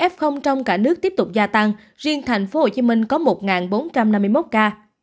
f trong cả nước tiếp tục gia tăng riêng tp hcm có một bốn trăm năm mươi một ca